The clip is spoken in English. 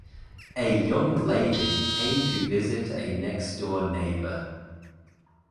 A young lady came to visit a next-door neighbor.